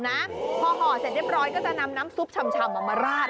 พอห่อเสร็จเรียบร้อยก็จะนำน้ำซุปชำมาราด